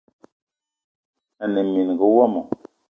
Ane mininga womo